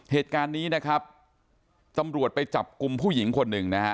เหตุการณ์นี้นะครับตำรวจไปจับกลุ่มผู้หญิงคนหนึ่งนะฮะ